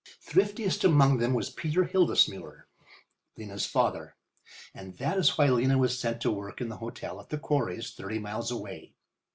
Thriftiest among them was Peter Hildesmuller, Lena's father. And that is why Lena was sent to work in the hotel at the quarries, thirty miles away.